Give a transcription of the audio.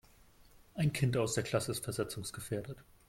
Ein Kind aus der Klasse ist versetzungsgefährdet.